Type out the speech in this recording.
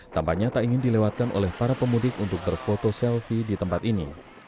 tampaknya tak ingin dilewatkan oleh para pemudik untuk berfoto selfie di tempat ini